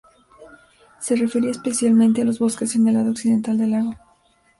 Se refería especialmente a los bosques en el lado occidental del lago.